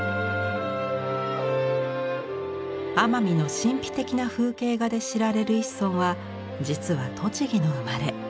奄美の神秘的な風景画で知られる一村は実は栃木の生まれ。